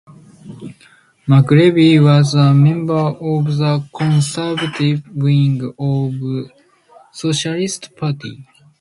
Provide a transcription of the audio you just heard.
McLevy was a member of the conservative wing of the Socialist Party.